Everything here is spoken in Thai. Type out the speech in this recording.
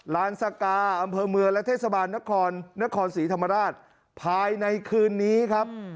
ลานสกาอำเภอเมืองและเทศบาลนครนครศรีธรรมราชภายในคืนนี้ครับ